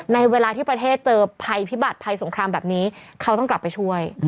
ในเวลาที่ประเทศเจอภัยพิบัติภัยสงครามแบบนี้เขาต้องกลับไปช่วย